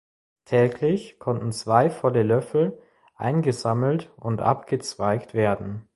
Täglich konnten zwei volle Löffel eingesammelt und abgezweigt werden.